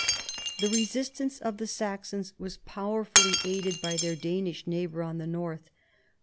The resistance of the Saxons was powerfully aided 164 CHARLEMAGNE. by their Danish neighbor on the north.